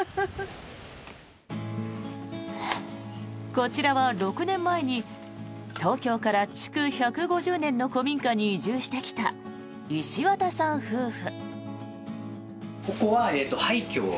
こちらは６年前に東京から築１５０年の古民家に移住してきた石渡さん夫婦。